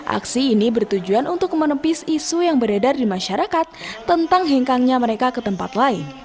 aksi ini bertujuan untuk menepis isu yang beredar di masyarakat tentang hengkangnya mereka ke tempat lain